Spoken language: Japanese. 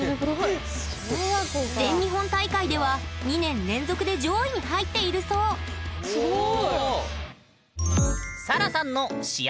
全日本大会では２年連続で上位に入っているそうすごい！